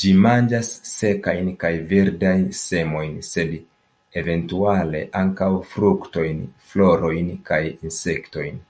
Ĝi manĝas sekajn kaj verdajn semojn, sed eventuale ankaŭ fruktojn, florojn kaj insektojn.